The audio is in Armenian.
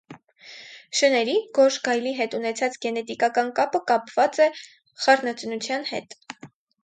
Շների՝ գորշ գայլի հետ ունեցած գենետիկական կապը կապված է խառնածնության հետ։